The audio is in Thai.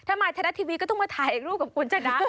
ถ้ามาไทยรัฐทีวีก็ต้องมาถ่ายรูปกับคุณชนะ